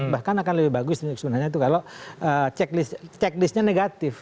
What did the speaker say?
bahkan akan lebih bagus sebenarnya itu kalau checklistnya negatif